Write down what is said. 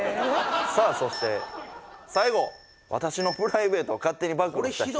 さあそして最後「私のプライベートを勝手に暴露した人」